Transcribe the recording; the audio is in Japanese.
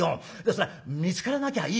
そりゃ見つからなきゃいいよ。